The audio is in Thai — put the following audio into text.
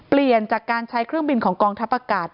เปลี่ยนจากการใช้เครื่องบินของกองทัพอากาศ